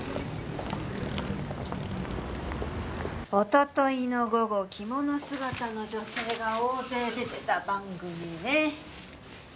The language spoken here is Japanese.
一昨日の午後着物姿の女性が大勢出てた番組ねえ。